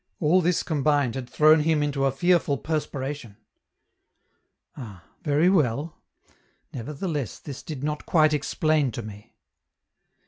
All this combined had thrown him into a fearful perspiration. Ah, very well! Nevertheless, this did not quite explain to me!